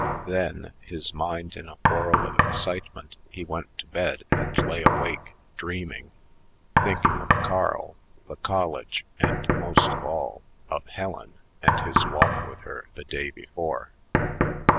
Then, his mind in a whirl of excitement, he went to bed and lay awake dreaming, thinking of Carl, the college, and, most of all, of Helen and his walk with her the day before.